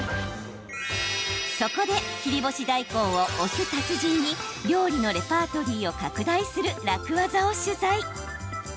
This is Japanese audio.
そこで切り干し大根を推す達人に料理のレパートリーを拡大する楽ワザを取材。